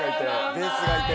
ベースがいて。